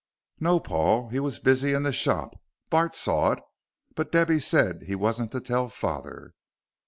"No, Paul. He was busy in the shop. Bart saw it, but Debby said he wasn't to tell father."